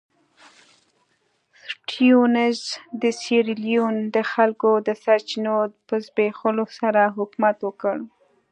سټیونز د سیریلیون د خلکو د سرچینو په زبېښلو سره حکومت وکړ.